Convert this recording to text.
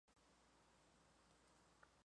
No hay cura para la mayoría de los temblores.